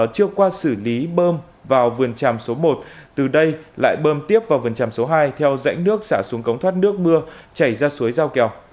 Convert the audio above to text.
chưa qua xử lý bơm vào vườn tràm số một từ đây lại bơm tiếp vào vườn tràm số hai theo rãnh nước xả xuống cống thoát nước mưa chảy ra suối giao kèo